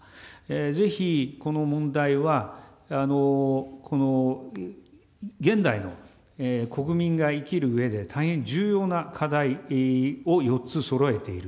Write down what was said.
ぜひこの問題は、現代の国民が生きるうえで大変重要な課題を４つそろえている。